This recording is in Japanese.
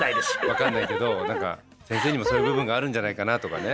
分かんないけど何か先生にもそういう部分があるんじゃないかなとかね思えたりね。